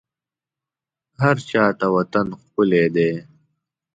هرچا ته وطن ښکلی دی